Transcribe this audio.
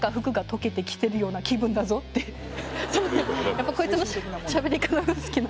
やっぱこいつのしゃべり方が好きなんですけど。